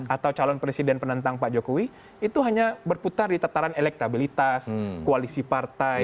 atau calon presiden penentang pak jokowi itu hanya berputar di tataran elektabilitas koalisi partai